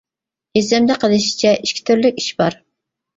ئېسىمدە قېلىشىچە، ئىككى تۈرلۈك ئىش بار.